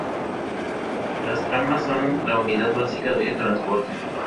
Las tramas son la unidad básica de trasporte.